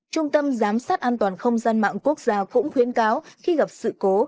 trung tâm giám sát an toàn không gian mạng quốc gia cũng khuyến cáo khi gặp sự cố